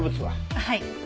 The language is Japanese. はい。